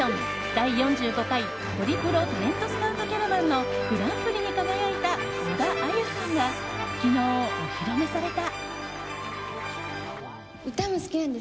第４５回ホリプロタレントスカウトキャラバンのグランプリに輝いた小田愛結さんが昨日、お披露目された。